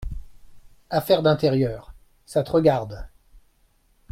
Affaire d’intérieur… ça te regarde.